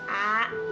nggak usah uh